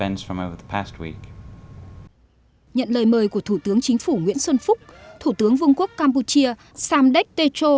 nhận lời mời của thủ tướng chính phủ nguyễn xuân phúc thủ tướng vương quốc campuchia samdek techo